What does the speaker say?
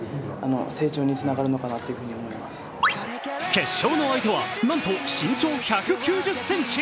決勝の相手は、なんと身長１９０ｃｍ。